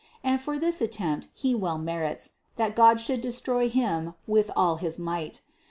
And for this at tempt he well merits, that God should destroy him with all his might.